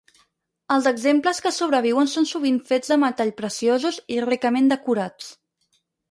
Els exemples que sobreviuen són sovint fets de metalls preciosos i ricament decorats.